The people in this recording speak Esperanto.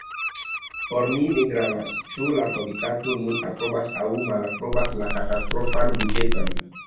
Por mi ne gravas, ĉu la komitato nun aprobas aŭ malaprobas la katastrofan buĝeton.